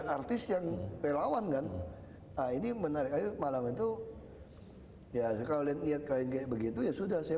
artis yang relawan kan ini menarik malam itu ya sekalian lihat kayak begitu ya sudah saya